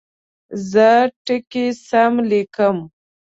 زه ټکي سم لیکم.